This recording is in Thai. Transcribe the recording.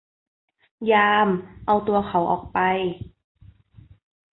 ยาม เอาตัวเขาออกไป !